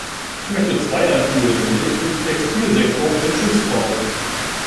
Ich möchte zwei anführen, nämlich den Textilsektor und den Schiffsbau.